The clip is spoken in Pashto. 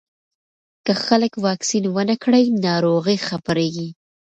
که خلک واکسین ونه کړي، ناروغي خپرېږي.